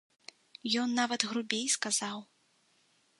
Ён нават грубей сказаў.